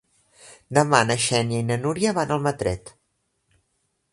Demà na Xènia i na Núria van a Almatret.